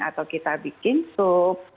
atau kita bikin sup